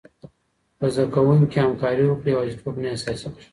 که زده کوونکي همکاري وکړي، یوازیتوب نه احساسېږي.